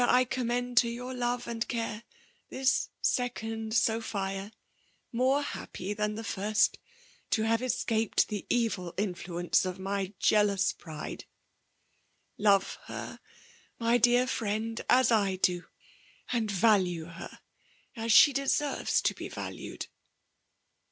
I commend to yow love and care this second Sophia ; more faapfiy than the first, to have escaped the evil infla* ence 6f my jealous pride. Love her, my deiBr friend, as I do ; and value her as she deserves to be valued.